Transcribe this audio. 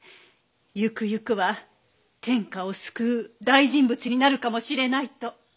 ゆくゆくは天下を救う大人物になるかもしれないと。